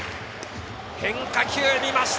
変化球見ました。